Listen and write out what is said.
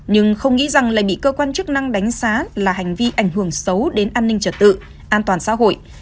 nhưng không nghĩ rằng lại bị cơ quan chức năng đánh giá là hành vi ảnh hưởng xấu đến an ninh trật tự an toàn xã hội